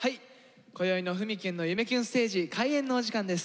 こよいの「ふみキュンの夢キュンステージ」開演のお時間です。